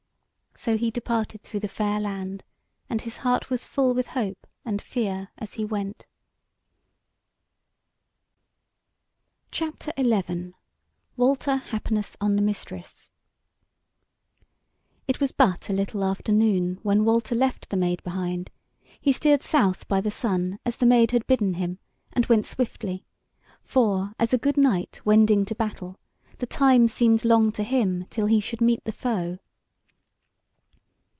So he departed through the fair land, and his heart was full with hope and fear as he went. CHAPTER XI: WALTER HAPPENETH ON THE MISTRESS It was but a little after noon when Walter left the Maid behind: he steered south by the sun, as the Maid had bidden him, and went swiftly; for, as a good knight wending to battle, the time seemed long to him till he should meet the foe.